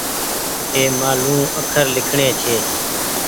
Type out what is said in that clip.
اي مآلون اکر لکڻي ڇي